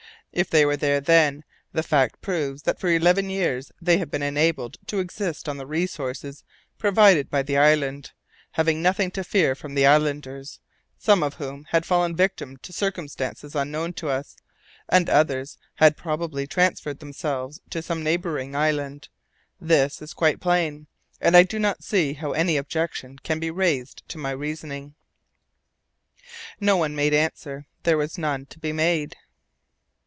If they were there then, the fact proves that for eleven years they had been enabled to exist on the resources provided by the island, having nothing to fear from the islanders, some of whom had fallen victims to circumstances unknown to us, and others had probably transferred themselves to some neighbouring island. This is quite plain, and I do not see how any objection can be raised to my reasoning." No one made answer: there was none to be made.